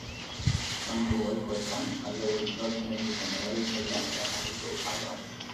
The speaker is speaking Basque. Banku ohikoetan mailegurik lortzen ez duten erabiltzaileak erakarri ditu alde batetik.